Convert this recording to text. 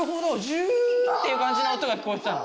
ジューっていう感じの音が聞こえてたの？